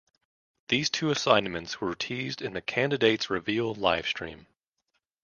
These two assignments were teased in the Candidates Reveal Livestream.